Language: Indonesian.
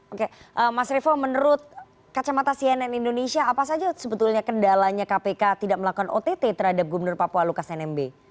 oke mas revo menurut kacamata cnn indonesia apa saja sebetulnya kendalanya kpk tidak melakukan ott terhadap gubernur papua lukas nmb